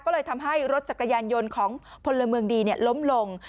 ซึ่งให้รถจักรยานยนต์ของพลเมืองดีล้มลง